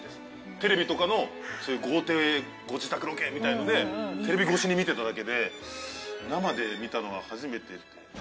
テレビとかのそういう豪邸ご自宅ロケみたいのでテレビ越しに見てただけで生で見たのは初めて。